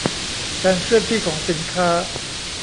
การเคลื่อนที่ของสินค้า